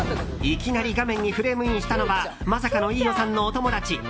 いきなり画面にフレームインしたのはまさかの飯尾さんのお友達。